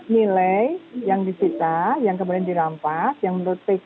nilai yang disita yang kemudian dirampas yang menurut pk